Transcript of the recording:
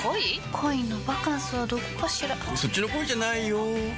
恋のバカンスはどこかしらそっちの恋じゃないよ